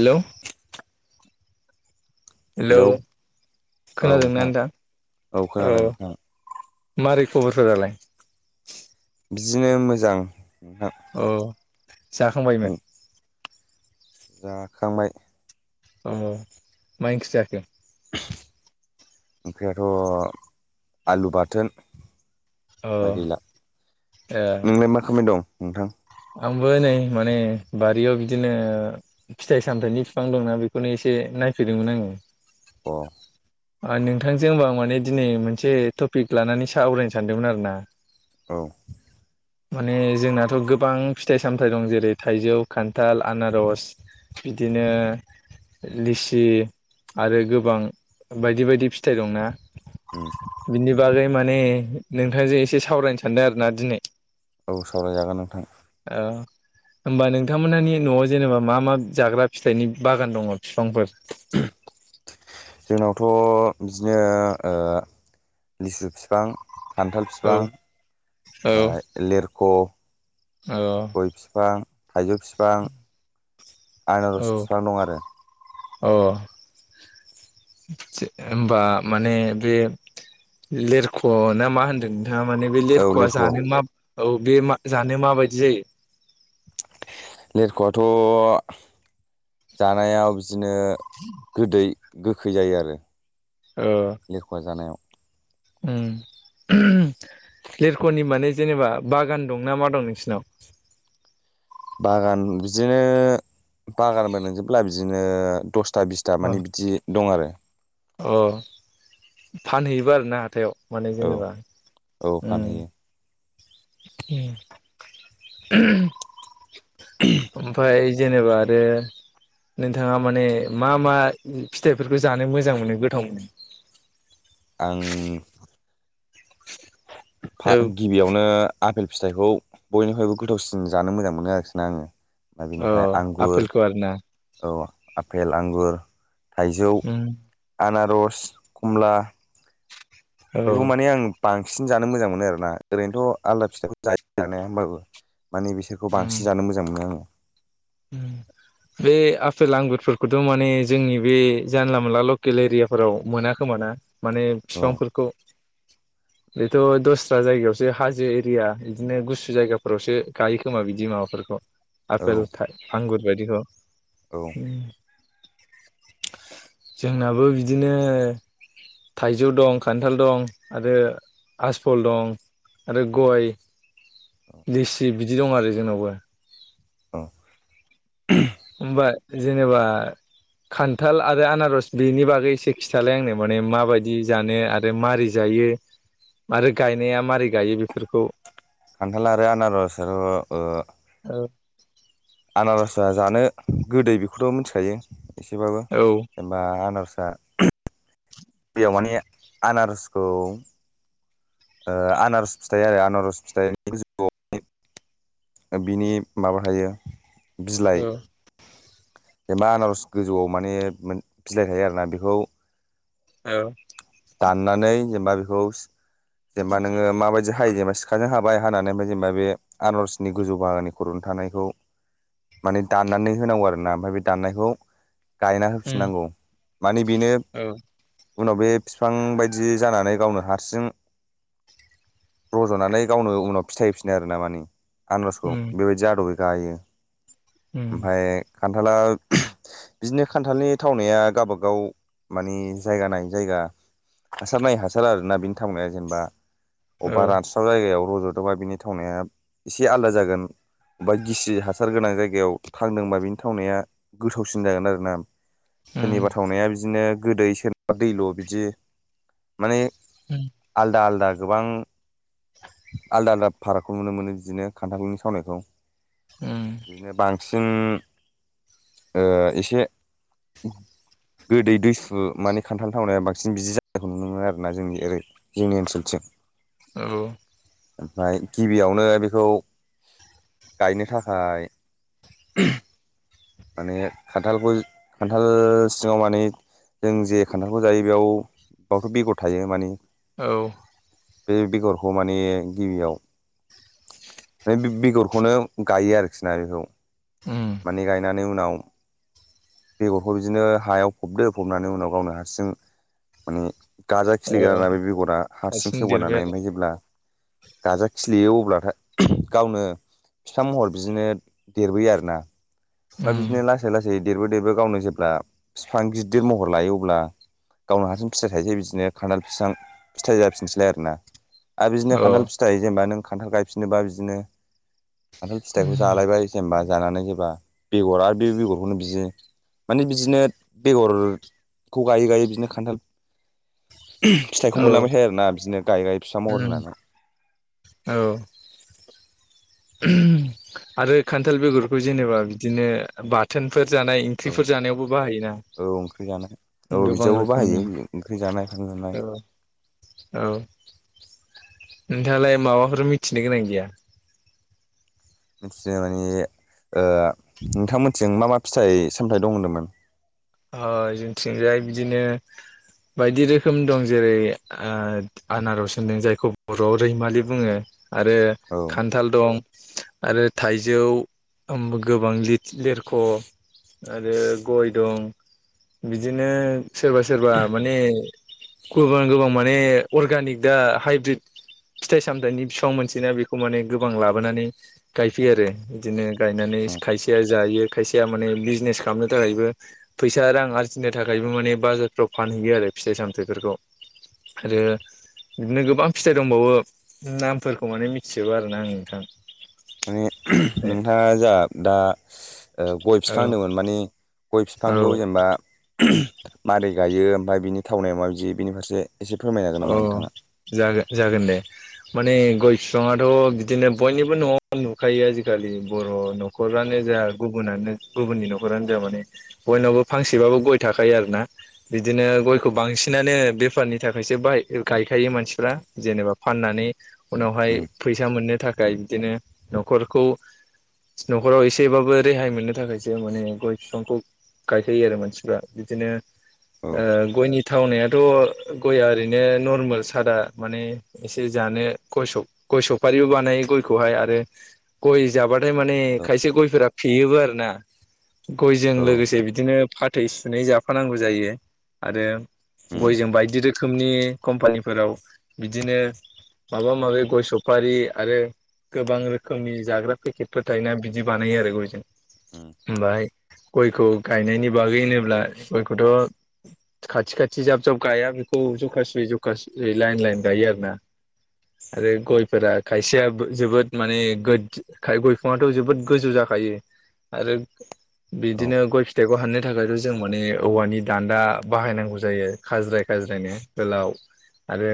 Hello hello खोनादोंना नोंथां औ खोनादों नोंथां मारै खबरफोरालाय? बिदिनो मोजां नोंथां अ जाखांबायमोन जाखांबाय औ मा ओंख्रै जाखो ओंख्रियाथ' आलु बाथोन अ फय गैला ए नोंलाय मा खामानि दं नोंथां आंबो नै माने बारियाव बिदिनो फिथाइ सामथायाइनि बिफां दंना बेखौनो एसे नायफैदोंमोन आङो अ नोंथांजों हबा माने दिनै मोनसे टपिक लानानै साहा आवरायनो सानदोंमोन आरो ना औ माने जोंनाथ' गोबां फिथाइ सामथायाइ दं जेरै थाइजौ खान्थाल आनारस बिदिनो लिसि आरो गोबां बायदि बायदि फिथाइ दंना उम बिनि बागै माने नोंथांजों एसे सावरायनो सानदों आरोना दिनै औ सावरायजागोन नोंथां औ होमबा नोंथांमोनहानि न'आव जेनेबा मा मा जाग्रा फिथाइनि बागान दङ फिफांफोर [inaudible] जोंनावथ' इदिनो लिसु फिफां खान्थाल औ बिफां औ ओमफ्राय लेरख' औ गय फिफां थाइजौ फिफां आनारस औ फिफां दं आरो अ होनबा माने बे लेरख'ना मा होनदों माने बे औ लेरख'आ लेरख' जानो मा औ बे जानो माबायदि जायो लेरख'आथ' जानायाव बिदिनो गोदै गोखै जायो आरो औ लिरख'आ जानायाव उम लेरख'नि माने जेनेबा बागान दं ना मा दं नोंसिनाव बागान बिदिनो बागानबो नोंजोबब्ला बिदिनो दस था बिसथा मानि बिदि दं आरो अ फानहैयोबो आरोना हाथायाव माने औ जेनेबा औ फानहैयो ओमफ्राय जेनेबा आरो नोंथाङा माने मा मा फिथाइफोरखौ जानो मोजां मोनो गोथाव मोनो [inaudible] आं फा गिबियावनो आपेल फिथाइखौ बयनिफ्रायबो गोथावसिन जानो मोजां मोनो आरोखि ना आङो ओ अ बेनिफ्राय आंगुर आपेलखौ आरोना औ आपेल आंगुर थाइजौ उम आनारस कमला औ बेखौ माने आं बां बांसिन जानो मोजां मोनो आरोना ओरैनोथ' आलदा फिथाइखौ जायो जानाया होमबाबो माने बिसोरखौ उम बांसिन जानो मोजां मोनो आङो। [inaudible] बे आफेल आंगुरफोरखौथ' माने जोंनि बे जानला मोनला लकेल एरियाफोराव मोनाखो। खोमा ना माने औ फिफांफोरखौ। बेथ' दस्रा जायगायावसो हाजो एरिया बिदिनो गुसु जायगाफोरावसो गायो खोमा बिदि माबाफोरखौ औ आफेल आंगुर बायदिखौ औ उ। जोंनाबो बिदिनो थाइजौ दं खान्थाल दं आरो आसफल दं। आरो गय, लेसि बिदि दं आरो जोंनावबो। अ [unintelligible] होनबा जेनेबा खान्थाल आरो आनारस बेनि बागै एसे खिथालाय आंनो माने माबायदि जानो आरो मारै जायो। यो आरो गायनाया मारै गायो बेफोरखौ खान्थाल आरो आनारस आथ' ओ औ आनारसा जानो गोदै बेखौथ' मिथिखायो एसेबाबो औ जेनबा आनारस दा [unintelligible] बेयाव माने आनारसखौ ओ आनारस फिथाइ आरो आनारस फिथाइनि गोजौआव माने ओ बिनि माबा थायो बिलाइ। एबा आनारस गोजौआव माने बीलाय थायो आरो ना बेखौ औ। दाननानै जेनेबा बेखौ जेनेबा नोङो माबायदि हायो जेनेबा सिखाजों हाबाय हानानै ओमफ्राय जेनेबा बे आनारसनि गोजौ बाहागोनि खर'नि थानायखौ माने दाननानै होनांगौ आरो ना ओमफ्राय बे दाननायखौ गायना उम होफिननांगौ माने बेनो उनाव बे फिफां बायदि जानानै गावनो हारसिं रज'नानै गावनो उनाव फिथाइ होफिनो आरो ना माने। आनारसखौ उम बेबायदि आद'बै गायो उम आमफाय खान्थाला बिदिनो खान्थालनि थावनाया गाबागाव माने जायगा नायै जायगा हासार नायै हासार आरोना बिनि थावनाया जेनेबा औ अब्बा रानस्राव जायगायाव रज' थ'बा बिनि थावनाया एसे आलदा जागोन। बा गिसि हासार गोनां जायगायाव थांदोंबा बिनि थावनाया गोथावसिन जागोन आरो ना। सोरनिबा उम थावनाया बिदिनो गोदै सोरनिबा दैल' बिदि माने आलदा आलदा गोबां आलदा आलदा फारागखौ नुनो मोनो बिदिनो खान्थालनि थावनायखौ उम बिदिनो बांसिन ओ एसे गोदै दुइसु माने खान्थाल थावनाया बा‌ [unintelligible] बिदि जानायखौ नुनो मोनो आरोना जोंनि ओरै जोंनि ओनसोलथिं। औ। ओमफ्राय गिबियावनो बेखौ गायनो थाखाय माने खान्थालखौ खान्थाल सिङाव माने जों जे खान्थालखौ जायो बेयाव बावथ' बेगर थायो माने औ। बे बेगरखौ माने गिबियाव आमफ्राय बे बेगरखौनो गायो आरोखि ना बेखौ। उम। बेनि उनाव बेगरखौ बिदिनो हायाव फबदो फबनानै उनाव गावनो हारसिं माने गाजा खिलिग्रा आरो औ ना बे बेगरा हारसिं देरबाय सेवगारनानै आरो ओमफ्राय जेब्ला गाजा खिलियो अब्लाथाय गावनो फिसा महर बिदिनो देरबोयो आरोना ओमफ्राय उम बिदिनो लासै लासै देरबो देरबो गावनो जेब्ला फिफां गिद्दिर महर लायो अब्ला गावनो हारसिं फिथाइ थायसै बिदिनो खान्थाल फिफां फिथाइ जाफिनसैलाय आरोना। आरो बिदिनो औ खान्थाल फिथाइ जेनेबा नों खान्थाल गायफिनोबा बिदिनो खान्थाल फिथाइखौ उम जालायबाय जेनबा जानानै जेल्बा बेगर आरो बे बेगरखौनो बियो माने बिदिनो बेगरखौ गायै गायै बिदिनो खान्थाल [unintelligible] फिथाइखौ औ मोनलांबाय थायो आरो ना बिदिनो गायै गायै फिसा महर उम होनानै। औ [unintelligible] आरो खान्थाल बेगरखौ जेनेबा बिदिनो बाथोन फोर जानाय औ ओंख्रिफोर जानायावबो बाहायोना। औ ओंख्रि जानाय औ गोबां बिदियावबो रोखोमनि बाहायो ओंख्रि जानाय फान औ जानाय। औ नोंथाङालाय माबाफोर मिथिनो गोनां गैया? मिथिनाय माने ओ नोंथांमोननिथिं मा मा फिथाइ सामथाइ दं होनदोंमोन? ओ जोंथिंजाय बिदिनो बायदि रोखोम दं जेरै ओ आनारस होनदों जायखौ बर'आव रैमालि बुङो। आरो औ खान्थाल दं। आरो थाइजौ ओम गोबां लिथ लेरख' आरो गय दं बिदिनो सोरबा सोरबा माने गोबां गोबां माने अर्गानिक दा हाइब्रिद फिथाइ सामथायाइनि फिफां मोनसोयोना बेखौ माने गोबां लाबोनानै गायफैयो आरो इदिनो। गायनानै उम खायसेया जायो खायसेया माने बिजनेस खालामनो थाखायबो फैसा रां आरजिनो थाखायबो माने बाजारफ्राव फानहैयो आरो फिथाइ सामथाइफोरखौ। आरो बिदिनो गोबां फिथाइ दंबावो नामफोरखौ माने मिथिजोबा आरोना आं नोंथां। उम नोंथाङा जा दा गय ओ फिफां औ होनदोमोन मानि। गय फिफांखौ औ जेनेबा मारै गायो ओमफाय बिनि थावनाया माबायदि बिनि फारसे एसे फोरमायनो हागोन नामा अ नोंथाङा जागोन। जागोन दे माने गय फिफाङाथ' बिदिनो बयनिबो न'आव नुखायो आजिखालि बर' न' खरानो औ जा गु बुनानो गुबुननि न'खरानो जा माने बयनावबो फांसेबाबो गय थाखायो आरोना बिदिनो गय खौ उम बांसिनानो बेफारनि थाखा यसो गायखायो मानसिफ्रा जेनेबा फाननानै उनावहाय फैसा मोननो थाख य बिदिनो न'खरखौ न'खराव एसेबाबो रेहाय मोननो थाखायसो माने गय फिफांखौ गायखायो आरो मानसिफ्रा बिदिनो औ ओ गयनि थावनायाथ' गया ओरैनो नर्मेल सादा माने एसे जानो गय सफ गय सफारिबो बानायो गय खौहाय आरो गय जाबाथाय माने खायसे गयफोरा फेयोबो आरोना। गयजों औ औ लोगोसे बिदिनो फाथै सुनै जाफानांगौ जायो। आरो उम गयजों बायदि रोखोमनि कम्पानिफोराव बिदिनो माबा माबि गय सफारि आरो गोबां रोखोमनि जाग्रा पेकेटफोर थायोना बिदि बानायो आरो गयजों उम ओमफाय गयखौ गायनायनि बागै होनोब्ला गयखौथ' खाथि खाथि जाब जाब गाया बे खौ जखासे जखासेयै लायेन लायेन गायो आरोना। आरो गयफोरा खायसेया बो जोबोद माने गोद खाय गय बिफाङाथ' जोबोद गोजौ जा खायो आरो औ बिदिनो गय फिथाइखौ हाननो थाखायथ' जों माने औवानि दान्दा बाहायनांगौ जायो खाज्राय खाज्रायनो गोलाव आरो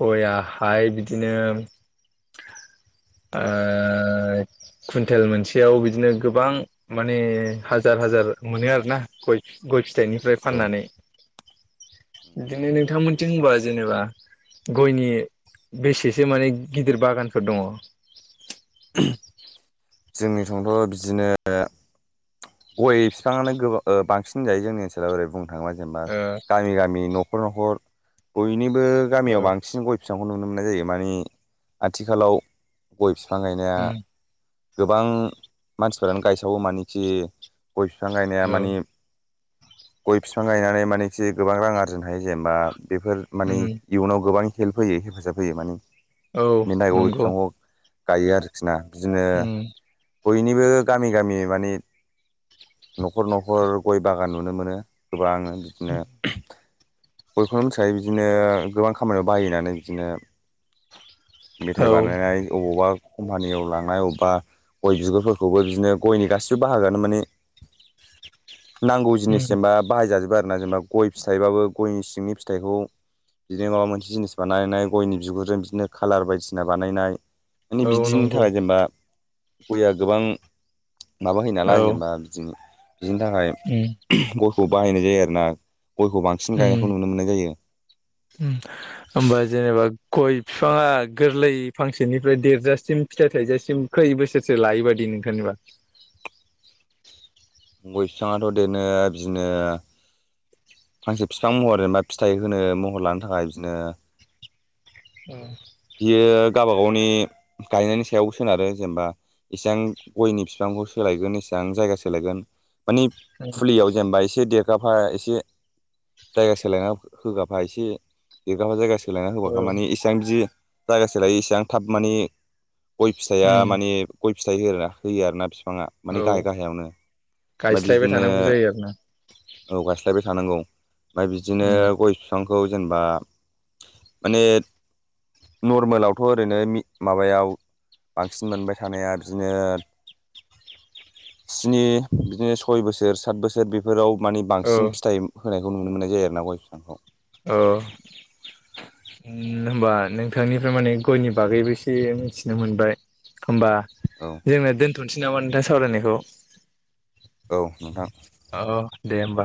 गयाहाय बिदिनो [inaudible] ओ कुन्टेल मोनसेयाव बिदिनो गोबां माने हाजार हाजार मोनो आरोना गय गय फिथाइनिफ्राय औ फाननानै। बिदिनो नोंथांमोननिथिं होमबा जेनेबा गयनि बेसेसो माने गिदिर बागानफोर दङ? जोंनिथंथ' बिदिनो गय बिफाङानो गो ओ बांसिन जायो जोंनि ओनसोलाव ओरै बुं नो थांबा जेनेबा गामि गामि न'खर न'खर बयनिबो गामियाव औ बांसिन गय फिफां नुनो मोननाय जायो माने आथिखालाव गय बिफां गायनाया उम गोबां मानसिफोरानो गायसावो मानोखि गय बिफां गायनाया औ मानि गय बिफां गायनानै मानेखि गोबां रां आरजिनो हायो जेनेबा बेफोर माने उम इयुनाव गोबां हेल्प होयो हेफाजाब होयो माने औ बेनि थाखाय गय नंगौ। बिफांखौ गायो आरोखि ना बिदिनो उम बयनिबो गामि गामि माने न'खर न'खर गय बागान नुनो मोनो गोबां बिदिनो बयखौब़ मिथिखायो बिदिनो गोबां खामानियाव बाहायो होननानै बिदिनो औ मेथाइ बानायनाय अबावबा कम्पानियाव लांनाय अबेबा गय बिगुरफोरखौबो बिदिनो गयनि गासिबो बाहागोआनो माने नांगौ जिनिस उम जेनेबा बाहायजाजोबो आरो ना जेनेबा गय फिथाइबाबो गयनि सिंनि फिथाइखौ बिदिनो माबा मोनसे जिनिस बानायनाय गयनि बिगुरजों बिदिनो खालार बायदिसिना बानायनाय माने औ बिदिनि नंगौ थाखाय जेनेबा गयआ गोबां माबा हैयो औ नालाय जेनेबा बिदि बिदिनि थाखाय उम गयखौ बाहायनाय जायो आरोना। गयखौ बांसिन गायनायखौ उम नुनो मोननाय जायो। होमबा जेनेबा गय बिफाङा गोरलै फांसेनिफ्राय देरजासिम फिथाइ थाइजासिम खै बोसोरसो लायो बादि नोंथांनिबा? गय बिफाङाथ' देरनो बिदिनो फांसे बिफां महर जेनेबा फिथाइ होनो महर लानो थाखाय बिदिनो औ। बियो गावबा गावनि गायनायनि सायाव सोनारो जेनेबा एसेबां गयनि बिफांखौ सोलायगोन एसेबां जायगा सोलायगोन मानि फुलियाव जेनेबा एसे देर गाफा एसे जायगा सोलायना होगाफा एसे [unintelligible] जायगासो सोलायना होबाखै औ मानानि इसेबां बिदि जायगा सोलायो इसेबां थाब माने गय फिथाइया उम माने गय फिथाइ होना होयो आरोना बि बिफाङा मानि औ गाहाय गाहायावनो ओमफ्राय गायस्लायबाय बिदिनो थानांगौ जायो आरोना औ गायस्लायबाय थानांगौ ओमफ्राय बिदिनो उम गय बिफां खौ जेनेबा माने नरमेलावथ' ओरैनो माबायाव बांसिन मोनबाय थानाया बिदिनो स्नि बिदिनो सय बोसोर सात बोसोर बेफोराव मानि औ बांसिन फिथाइ होनायखौ नुनो मोननाय जायो आरो ना गय फिफांखौ। ओ। होनबा नोंथांनिफ्राय माने गयनि बागैबो एसे मिथिनो मोनबाय होनबा औ जोंना दोनथ'नोसै नामा नोंथां सावरायनायखौ औ नोंथां ‌। औ दे होमबा।